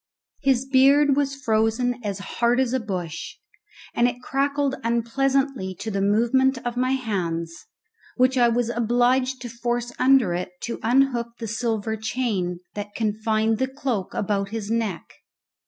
His beard was frozen as hard as a bush, and it crackled unpleasantly to the movement of my hands, which I was obliged to force under it to unhook the silver chain that confined the cloak about his neck.